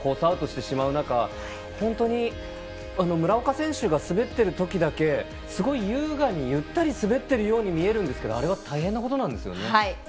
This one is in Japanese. アウトしてしまう中村岡選手が滑っているときだけすごい優雅にゆったり滑っているように見えるんですがあれは、大変なことなんですよね。